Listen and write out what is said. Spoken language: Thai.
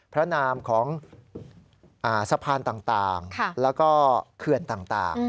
พระนามของสะพานต่างแล้วก็เขื่อนต่าง